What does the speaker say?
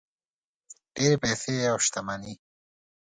ډېرې پیسې او شتمني.